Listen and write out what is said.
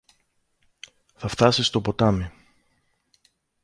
Θα φθάσει στο ποτάμι.